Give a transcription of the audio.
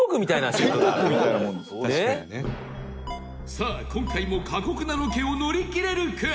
さあ、今回も過酷なロケを乗り切れるか？